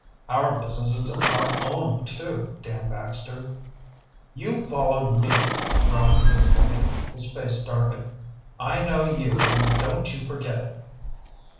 "Our business is our own, too, Dan Baxter." "You followed me," growled the big bully, his face darkening. "I know you and don't you forget it."